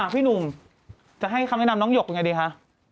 พี่หนุ่มจะให้คำแนะนำน้องหยกยังไงดีคะ